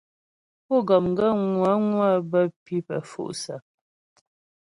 Pú gɔm gaə́ ŋwə̌ŋwə bə́ pǐ pə́ fu'sap.